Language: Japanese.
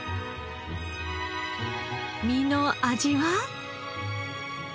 身の味は？